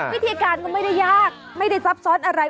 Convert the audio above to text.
วิธีการก็ไม่ได้ยากไม่ได้ซับซ้อนอะไร